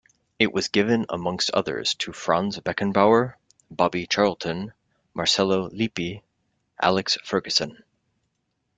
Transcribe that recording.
It was given amongst others to Franz Beckenbauer, Bobby Charlton, Marcello Lippi, Alex Ferguson.